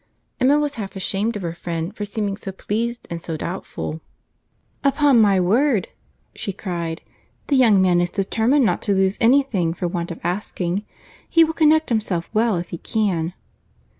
—" Emma was half ashamed of her friend for seeming so pleased and so doubtful. "Upon my word," she cried, "the young man is determined not to lose any thing for want of asking. He will connect himself well if he can."